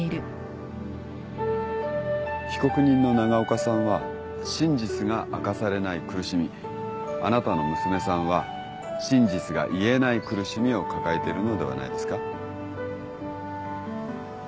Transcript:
被告人の長岡さんは真実が明かされない苦しみあなたの娘さんは真実が言えない苦しみを抱えているのではないですか？